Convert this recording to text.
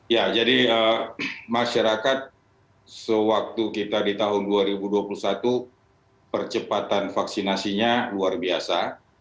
ya jadi masyarakat sewaktu kita di tahun dua ribu dua puluh satu percepatan vaksinasinya luar biasa